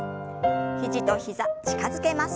肘と膝近づけます。